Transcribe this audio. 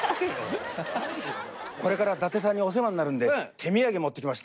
これから伊達さんにお世話になるんで手土産持ってきました。